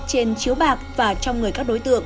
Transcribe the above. trên chiếu bạc